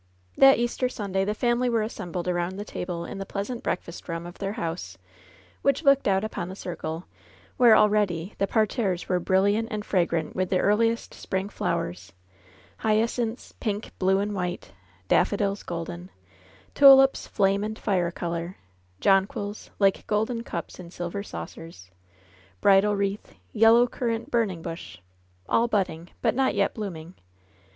That Easter Sunday the family were assembled around the table in the pleasant breakfast room of their house, which looked out upon the circle, where already the parterres were brilliant and fragrant with the ear liest spring flowers — ^hyacinths, pink, blue and white; daffodils golden; tulips flame and fire color; jonquils, like golden cups in silver saucers, bridal wreath, yellow currant burning bush — all budding, but not yet bloom ing.